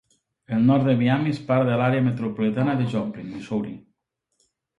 El nord de Miami és part de l'àrea metropolitana de Joplin, Missouri.